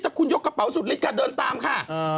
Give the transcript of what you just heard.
แต่ว่ายกกระเป๋าสุดลิ้ดกะเดินตามค่ะ